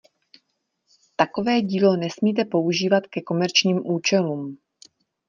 Takové dílo nesmíte používat ke komerčním účelům.